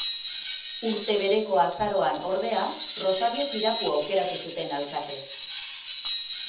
Urte bereko azaroan, ordea, Rosario Tirapu aukeratu zuten alkate.